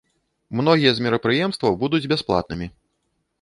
Многія з мерапрыемстваў будуць бясплатнымі.